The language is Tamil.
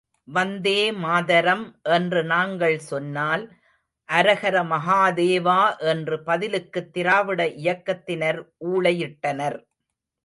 வந்தேமாதரம் என்று நாங்கள் சொன்னால், அரகர மகாதேவா என்று பதிலுக்கு திராவிட இயக்கத்தினர் ஊளையிட்டனர்.